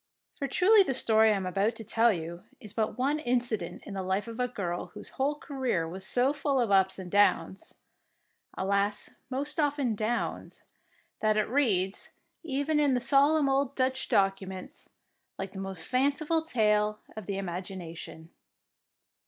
For truly the story I am about to tell you is but one incident in the life of a girl whose whole career was so full of ups and downs — alas, most often downs, — that it reads, even in the 53 DEEDS OF DARING solemn old Dutch documents, like the most fanciful tale of the imagination.